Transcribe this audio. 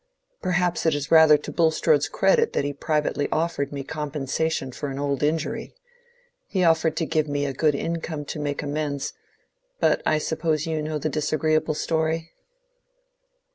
Perhaps it is rather to Bulstrode's credit that he privately offered me compensation for an old injury: he offered to give me a good income to make amends; but I suppose you know the disagreeable story?"